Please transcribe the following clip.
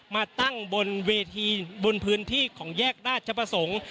มาตั้งบนเวทีบนพื้นที่ของแยกราชประสงค์